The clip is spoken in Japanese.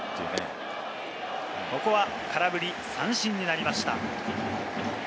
ここは空振り三振になりました。